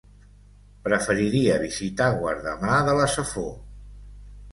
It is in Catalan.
Preferiria visitar Guardamar de la Safor.